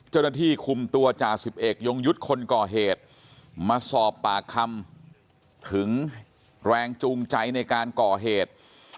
เจ้าหน้าที่คุมตัวจ่าสิบเอกยงยุทธ์คนก่อเหตุมาสอบปากคำถึงแรงจูงใจในการก่อเหตุ